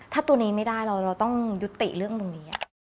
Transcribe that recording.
ถ้าตัวนี้ไม่ได้เราต้องยุติเรื่องตรงนี้